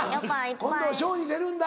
「今度ショーに出るんだ」とか。